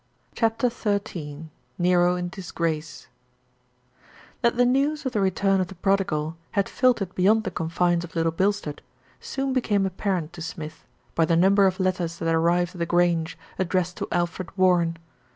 CHAPTER XIII NERO IN DISGRACE THAT the news of the return of the prodigal had filtered beyond the confines of Little Bilstead, soon became apparent to Smith, by the number of letters that arrived at The Grange addressed to Alfred Warren.